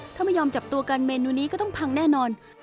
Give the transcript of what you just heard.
ถ้าไม่ยอมจับตัวกันเมนูนี้ก็ต้องพังแน่นอน